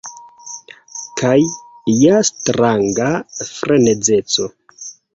Kaj ja stranga frenezeco.